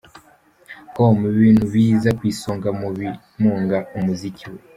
com ibintu biza ku isonga mu bimunga umuziki we.